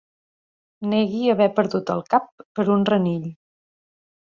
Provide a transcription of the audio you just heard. Negui haver perdut el cap per un renill.